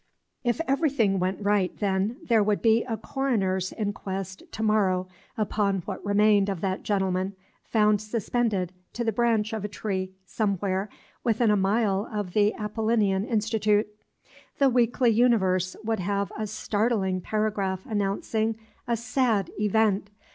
If everything went right, then, there would be a coroner's inquest to morrow upon what remained of that gentleman, found suspended to the branch of a tree somewhere within a mile of the Apollinean Institute. The "Weekly Universe" would have a startling paragraph announcing a "SAD EVENT!!!"